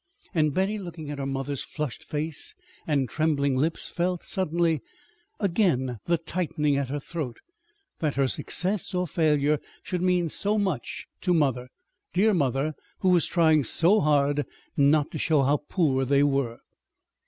And Betty, looking at her mother's flushed face and trembling lips felt suddenly again the tightening at her throat that her success or failure should mean so much to mother dear mother who was trying so hard not to show how poor they were!